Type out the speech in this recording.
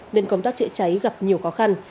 nên công tác chữa cháy gặp nhiều khó khăn